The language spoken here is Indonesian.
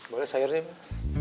boleh sayurnya mel